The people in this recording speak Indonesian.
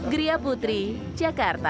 geria putri jakarta